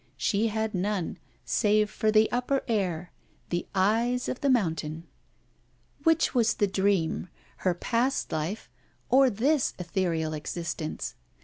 She had none, save for the upper air, the eyes of the mountain. Which was the dream her past life or this ethereal existence?